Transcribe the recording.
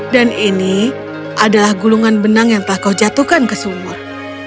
dan ini adalah gulungan benang yang telah kau jatuhkan ke sumur